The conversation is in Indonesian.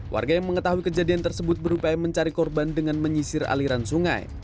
warga yang mengetahui kejadian tersebut berupaya mencari korban dengan menyisir aliran sungai